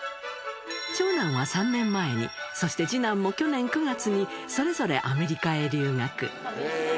長男は３年前に、そして次男も去年９月にそれぞれアメリカへ留学。